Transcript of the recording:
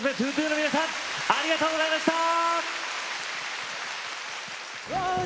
’２２の皆さんありがとうございました。